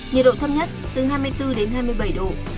nhiệt độ thấp nhất từ hai mươi bốn đến hai mươi bảy độ